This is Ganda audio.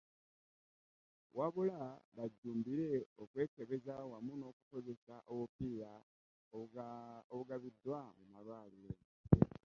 Wabula bajjumbire okwekebeza wamu n'okukozesa obupiira obugabiddwa mu malwaliro.